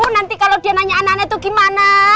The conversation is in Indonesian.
nanti kalau dia nanya anak anak itu gimana